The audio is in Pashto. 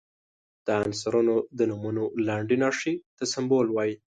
د عنصرونو د نومونو لنډي نښې ته سمبول وايي.